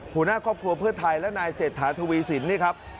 หัวหน้าครอบครัวเพื่อไทยและนายเศรษฐาทวีสินนี่ครับ